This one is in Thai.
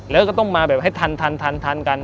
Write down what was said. แล้วก็ต้องมาแบบให้ทันกัน